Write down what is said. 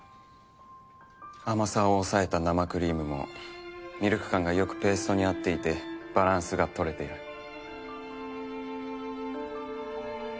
甘さを抑えた生クリームもミルク感がよくペーストに合っていてバランスが取れている。